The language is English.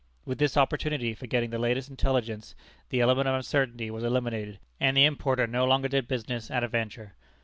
With this opportunity for getting the latest intelligence, the element of uncertainty was eliminated, and the importer no longer did business at a venture.